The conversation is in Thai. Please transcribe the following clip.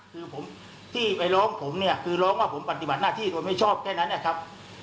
คือผมที่ไปร้องผมเนี่ยคือร้องว่าผมปฏิบัติหน้าที่โดยไม่ชอบแค่นั้นนะครับ